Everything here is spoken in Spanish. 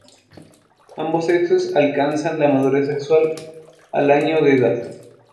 Ambos sexos alcanzan la madurez sexual al año de edad.